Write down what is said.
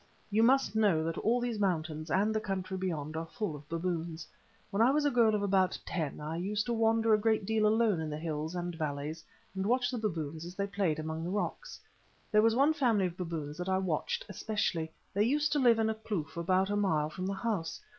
You must know that all these mountains and the country beyond are full of baboons. When I was a girl of about ten I used to wander a great deal alone in the hills and valleys, and watch the baboons as they played among the rocks. There was one family of baboons that I watched especially—they used to live in a kloof about a mile from the house.